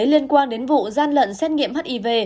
liên quan đến vụ gian lận xét nghiệm hiv